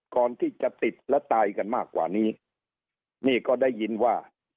ก่อนที่จะติดและตายกันมากกว่านี้นี่ก็ได้ยินว่า